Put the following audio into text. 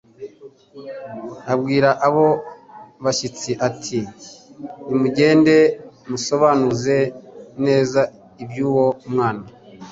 Abwira abo bashyitsi ati: "Nimugende musobanuze neza iby'uwo mwana.